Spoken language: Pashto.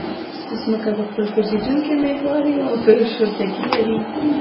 ځمکه په خپل ګرځېدونکي محور یوه فشردګي لري